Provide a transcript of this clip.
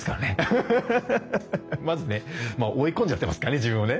まずね追い込んじゃってますからね自分をね。